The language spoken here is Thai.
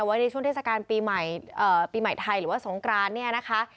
ไว้ในช่วงเทศกาลปีใหม่ปีใหม่ไทยหรือว่าสงกรานเนี่ยนะคะ